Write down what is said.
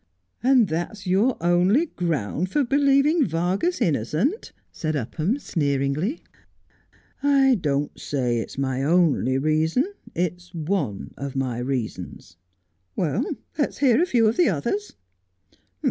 ' And that's your only ground for believing Vargas innocent 1 ' said Upham sneeringly. ' I don't say it's my only reason. It's one of my reasons.' ' Let us hear a few of the others.'